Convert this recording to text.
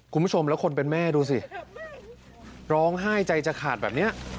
คุณผู้ชมแล้วคนเป็นแม่ดูสิ